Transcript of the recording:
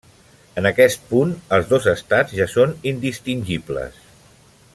En aquest punt, els dos estats ja són indistingibles.